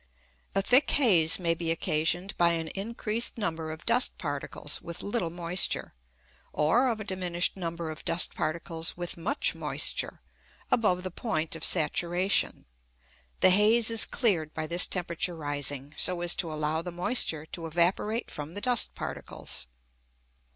A thick haze may be occasioned by an increased number of dust particles with little moisture, or of a diminished number of dust particles with much moisture, above the point of saturation. The haze is cleared by this temperature rising, so as to allow the moisture to evaporate from the dust particles.